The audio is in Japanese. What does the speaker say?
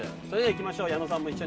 それではいきましょう。